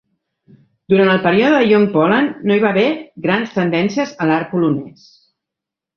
Durant el període de Young Poland, no hi va haver grans tendències a l'art polonès.